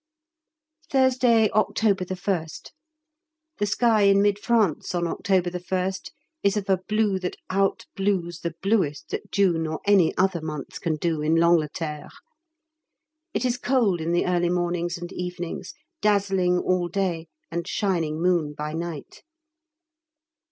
Thursday, October 1st. The sky in Mid France on October 1st is of a blue that outblues the bluest that June or any other month can do in l'Angleterre. It is cold in the early mornings and evenings, dazzling all day, and shining moon by night.